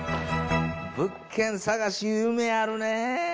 物件探し夢あるね。